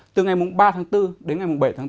từ ngày ba tháng bốn đến ngày bảy tháng bốn